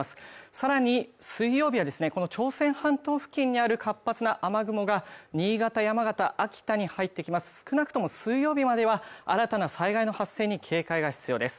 さらに、水曜日はこの朝鮮半島付近にある活発な雨雲が新潟山形秋田に入ってきます少なくとも水曜日までは新たな災害の発生に警戒が必要です。